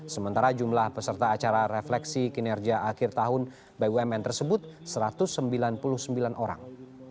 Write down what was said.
sementara jumlah peserta acara refleksi kinerja akhir tahun bumn tersebut satu ratus sembilan puluh sembilan orang